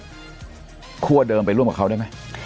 จะเลิกขั้วเดิมไปร่วมกับเขาได้ไหม